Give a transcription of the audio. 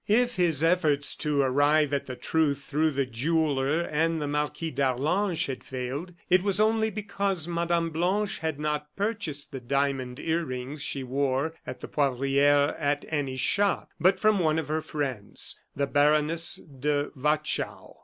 If his efforts to arrive at the truth through the jeweller and the Marquis d'Arlange had failed, it was only because Mme. Blanche had not purchased the diamond ear rings she wore at the Poivriere at any shop, but from one of her friends, the Baroness de Watchau.